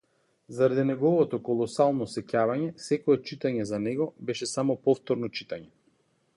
Заради неговото колосално сеќавање, секое читање за него беше само повторно читање.